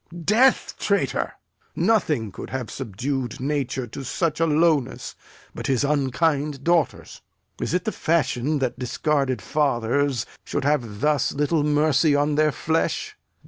Death, traitor! nothing could have subdu'd nature To such a lowness but his unkind daughters. Is it the fashion that discarded fathers Should have thus little mercy on their flesh?